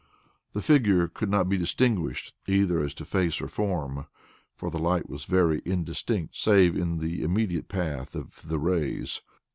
The figure could not be distinguished either as to face or form, for the light was very indistinct save in the immediate path of the rays.